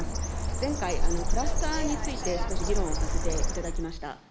前回、クラスターについて、少し議論をさせていただきました。